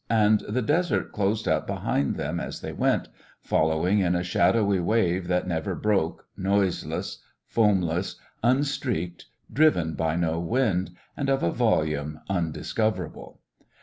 And the desert closed up behind them as they went, following in a shadowy wave that never broke, noiseless, foamless, unstreaked, driven by no wind, and of a volume undiscoverable.